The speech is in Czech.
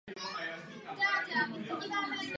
Sezónní změna času je zavedena na části území.